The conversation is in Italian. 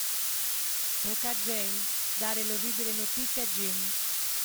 Tocca a Jane dare l'orribile notizia a Jim.